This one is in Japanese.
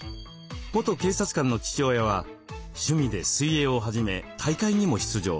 元警察官の父親は趣味で水泳を始め大会にも出場。